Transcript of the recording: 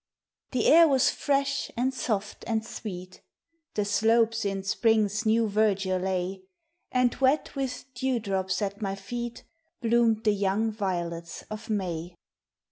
The air was fresh and soft and ewee1 ; The slopes in spring's new verdure lay. And wet with dew drops at my feet Bloomed Hie young violets of .May.